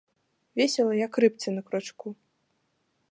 Весела як рыбцы на кручку.